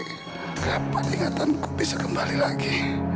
kenapa diingatanku bisa kembali lagi